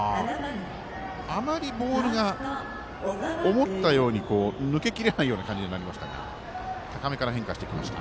あまりボールが思ったように抜けきれないような感じになりましたが高めから変化してきました。